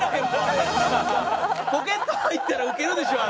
ポケット入ったらウケるでしょあれ。